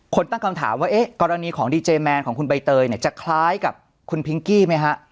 ตั้งคำถามว่าเอ๊ะกรณีของดีเจแมนของคุณใบเตยเนี่ยจะคล้ายกับคุณพิงกี้ไหมฮะ